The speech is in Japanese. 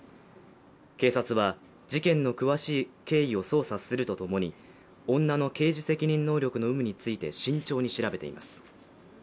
警察は、事件の詳しい経緯を捜査するとともに女の刑事責任能力の有無について慎重に調べています。